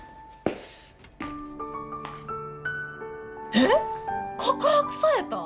えっ告白された！？